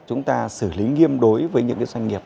chúng ta xử lý nghiêm đối với những doanh nghiệp